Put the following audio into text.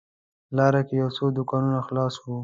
لاره کې یو څو دوکانونه خلاص و.